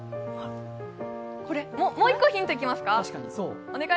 もう１個ヒントいきますか？